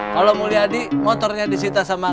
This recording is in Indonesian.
kalau mulia di motornya disita sama